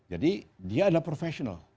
jadi dia adalah professional